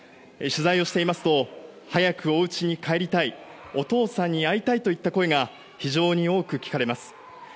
取材をしていますと早くおうちに帰りたいお父さんに会いたいといった声が非常に多く聞かれます。